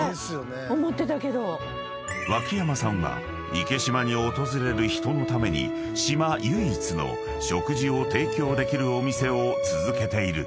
［脇山さんは池島に訪れる人のために島唯一の食事を提供できるお店を続けている］